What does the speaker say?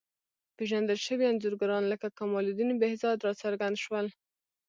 پېژندل شوي انځورګران لکه کمال الدین بهزاد راڅرګند شول.